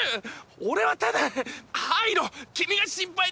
俺はただハイロ君が心配でその！